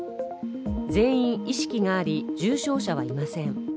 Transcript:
全員、意識があり重症者はいません。